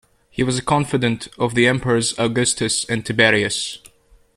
He was a confidant of the emperors Augustus and Tiberius.